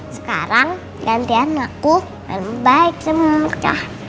sekarang ganti anakku dan baik semua